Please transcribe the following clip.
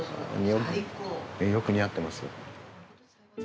よく似合ってます。